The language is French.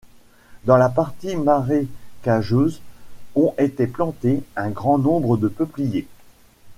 Dans la partie marécageuse ont été plantées un grand nombre de peupliers.